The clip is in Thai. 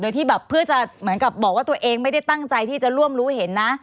โดยที่แบบเพื่อจะเหมือนกับบอกว่าตัวเองไม่ได้ตั้งใจที่จะร่วมรู้เห็นนะ